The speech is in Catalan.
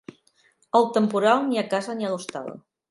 El temporal, ni a casa ni a l'hostal.